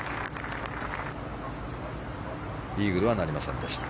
イーグルはなりませんでした。